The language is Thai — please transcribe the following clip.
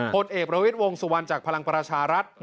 เอกประวิทย์วงสุวรรณจากพลังประชารัฐ